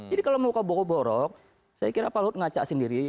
jadi kalau mau kebohong bohong saya kira pak luhut ngacak sendiri